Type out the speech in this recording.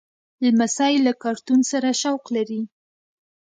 لمسی له کارتون سره شوق لري.